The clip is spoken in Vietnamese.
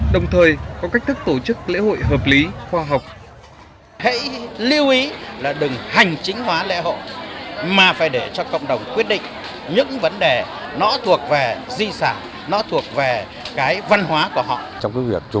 đồng thời có cách thức tổ chức lễ hội hợp lý khoa học